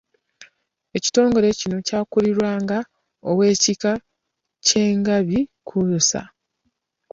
Ekitongole kino kyakulirwanga ow’ekika ky’engabi Kkunsa.